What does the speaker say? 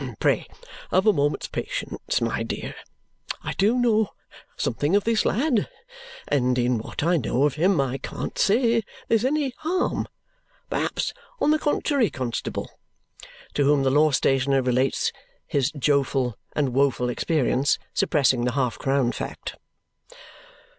Pray have a moment's patience, my dear. I do know something of this lad, and in what I know of him, I can't say that there's any harm; perhaps on the contrary, constable." To whom the law stationer relates his Joful and woeful experience, suppressing the half crown fact.